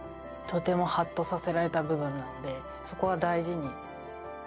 とてもハッとさせられた部分なのでそこは大事に。